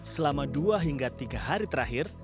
selama dua hingga tiga hari terakhir